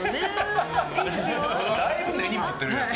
だいぶ根に持ってるやん。